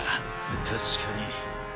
確かに。